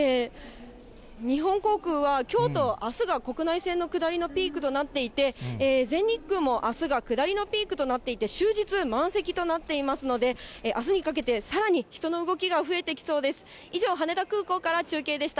日本航空は、きょうとあすが国内線の下りのピークとなっていて、全日空もあすが下りのピークとなっていて、終日、満席となっていますので、あすにかけてさらに人の動きが増えてきそうです。